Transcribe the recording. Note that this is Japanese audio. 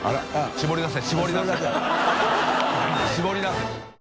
絞り出せ！